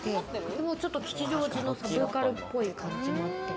でも吉祥寺のサブカルっぽい感じもあって。